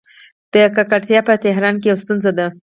ککړتیا په تهران کې یوه ستونزه ده.